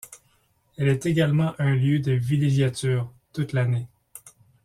Elle est également un lieu de villégiature, toute l'année.